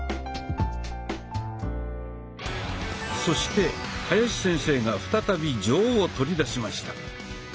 そして林先生が再び杖を取り出しました。